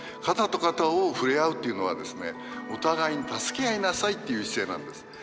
肩と肩を触れ合うっていうのはですねお互いに助け合いなさいっていう姿勢なんです。